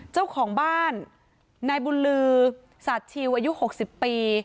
เจ้าของบ้านนายบุญลือสัตว์ชิวอายุหกสิบปี